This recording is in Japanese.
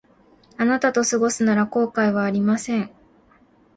あなたと過ごすなら後悔はありません